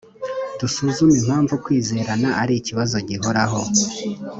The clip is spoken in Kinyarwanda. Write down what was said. dusuzume impamvu kwizerana ari ikibazo gihoraraho.